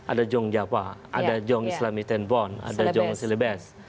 ada jong jawa ada jong islami tenbon ada jong silebes